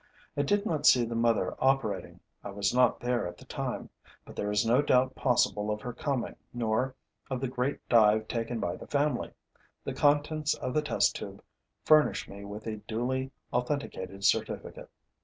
I did not see the mother operating: I was not there at the time; but there is no doubt possible of her coming nor of the great dive taken by the family: the contents of the test tube furnish me with a duly authenticated certificate.